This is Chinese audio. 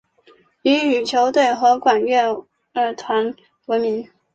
以羽球队和管乐团闻名。